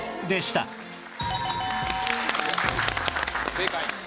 正解。